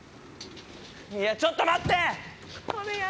いやちょっと待って！